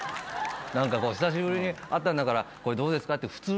何か久しぶりに会ったんだから「これどうですか？」って普通のはないの？